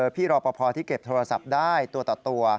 พี่รอปภที่เก็บโทรศัพท์ได้ตัวต่อตัว